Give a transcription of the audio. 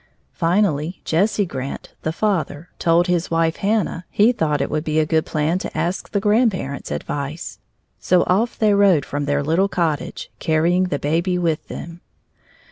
Finally Jesse Grant, the father, told his wife, Hannah, he thought it would be a good plan to ask the grandparents' advice. So off they rode from their little cottage, carrying the baby with them.